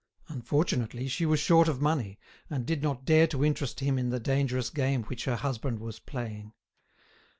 Unfortunately, she was short of money, and did not dare to interest him in the dangerous game which her husband was playing.